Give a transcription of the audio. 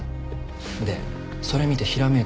でそれ見てひらめいたわけ。